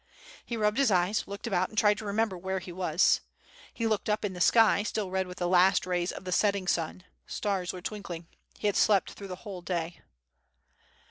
He rubbed his eyes, looked about, and tried to remember where he was. He looked up in the sky, still red with the last rays of the setting sun ; stars were twinkling. He had slept through the whole day.